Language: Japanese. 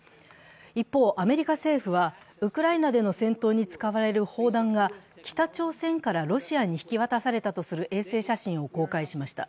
一方、アメリカ政府はウクライナでの戦闘に使われる砲弾が北朝鮮からロシアに引き渡されたとする衛星写真を公開しました。